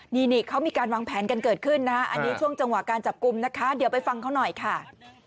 นี่เขามีการวางแผนกันเกิดขึ้นนะอันนี้ช่วงจังหวะการจับกลุ่มนะคะเดี๋ยวไปฟังเขาหน่อยค่ะ